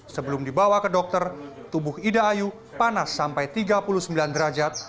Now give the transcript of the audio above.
sebelum dibawa ke dokter tubuh ida ayu panas sampai tiga puluh sembilan derajat